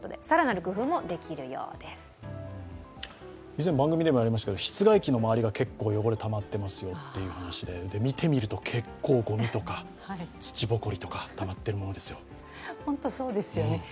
以前番組でもやりましたけど、室外機の周りが結構汚れがたまっていますよという話で見てみると結構ごみとか土ぼこりとかたまってるものですよ。